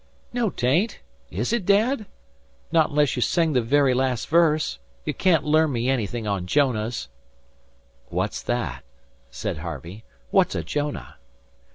"No, 'tain't, is it, Dad? Not unless you sing the very las' verse. You can't learn me anything on Jonahs!" "What's that?" said Harvey. "What's a Jonah?"